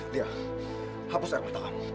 liat hapus air mata kamu